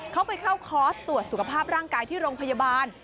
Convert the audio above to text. เขาไปเข้าคอร์สตรวจสุขภาพร่างกายที่โรงพยาบาล